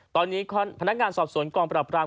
ตอนนี้พนักงานสอบสวนกองปรับราม